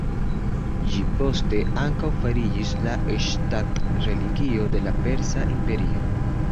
Ĝi poste ankaŭ fariĝis la ŝtat-religio de la Persa imperio.